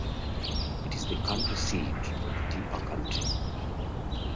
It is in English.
It is the county seat of Tippah County.